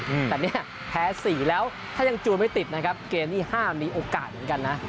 อืมแต่เนี่ยแพ้สี่แล้วถ้ายังจูนไม่ติดนะครับเกมที่ห้ามีโอกาสเหมือนกันนะ